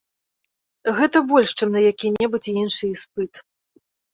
Гэта больш, чым на які-небудзь іншы іспыт.